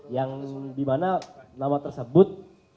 yang dimana nama tersebut